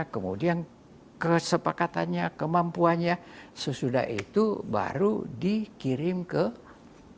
kemudian kesepakatannya kemampuannya sesudah itu baru dikirim ke pemerintah